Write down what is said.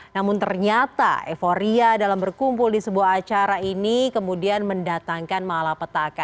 namun ternyata euforia dalam berkumpul di sebuah acara ini kemudian mendatangkan malapetaka